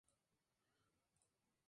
La obra consta de dos libros.